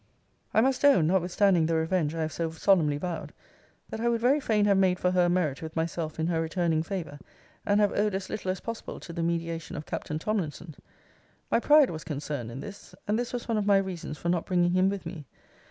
I must own, (notwithstanding the revenge I have so solemnly vowed,) that I would very fain have made for her a merit with myself in her returning favour, and have owed as little as possible to the mediation of Captain Tomlinson. My pride was concerned in this: and this was one of my reasons for not bringing him with me.